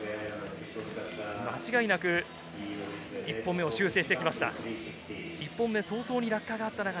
間違いなく１本目を修正してきました。